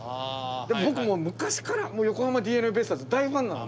でも僕もう昔から横浜ＤｅＮＡベイスターズ大ファンなんで。